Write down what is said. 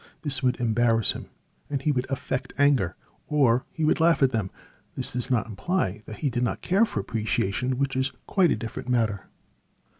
This would embarrass him, and he would affect anger, or would laugh at them. This does not imply that he did not care for appreciation, which is quite a different matter.